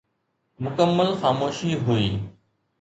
مڪمل خاموشي هئي.